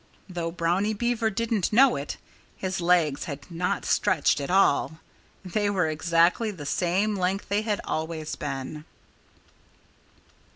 Though Brownie Beaver didn't know it, his legs had not stretched at all. They were exactly the same length they had always been.